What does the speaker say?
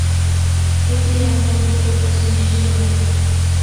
এটি এমন জটিল কাজ নিশ্চয়ই নয়।